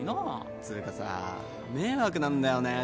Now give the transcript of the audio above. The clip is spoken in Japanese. つうかさ迷惑なんだよね実際